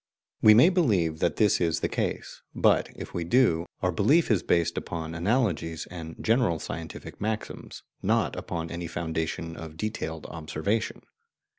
We may believe that this is the case, but if we do, our belief is based upon analogies and general scientific maxims, not upon any foundation of detailed observation.